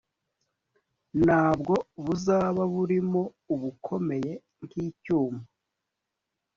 na bwo buzaba burimo ubukomeye nk icyuma